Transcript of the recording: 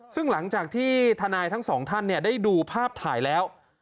ซึ่งหลังจากที่ทนายทั้งสองท่านได้ดูภาพถ่ายแล้ว